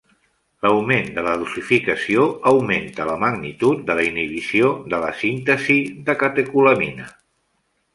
L'augment de la dosificació augmenta la magnitud de la inhibició de la síntesi de catecolamina.